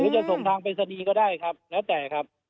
หรือจะส่งทางพฤษณีย์ก็ได้แล้วแต่